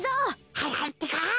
はいはいってか。